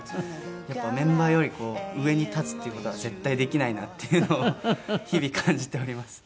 やっぱメンバーより上に立つっていう事は絶対できないなっていうのを日々感じております。